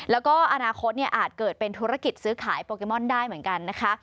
แล้วก็อนาคตอาจเกิดเป็นธุรกิจซื้อขายโปเกมอนได้เหมือนกันนะคะ